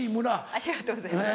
ありがとうございます。